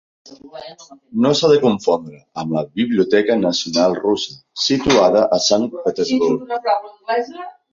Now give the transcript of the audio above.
No s'ha de confondre amb la Biblioteca Nacional Russa, situada a Sant Petersburg.